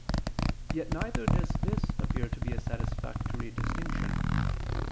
Yet neither does this appear to be a satisfactory distinction.